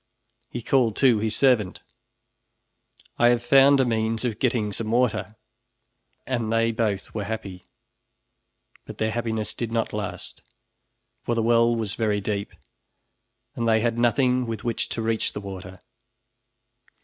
He called to his servant, "I have found a means of getting some water," and they both were happy. But their happiness did not last, for the well was very deep and they had nothing with which to reach the water.